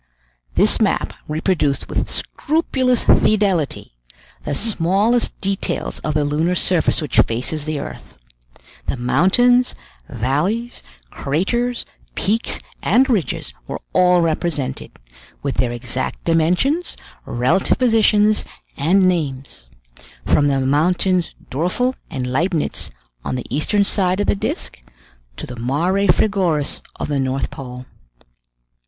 This map reproduced with scrupulous fidelity the smallest details of the lunar surface which faces the earth; the mountains, valleys, craters, peaks, and ridges were all represented, with their exact dimensions, relative positions, and names; from the mountains Doerfel and Leibnitz on the eastern side of the disc, to the Mare frigoris of the North Pole.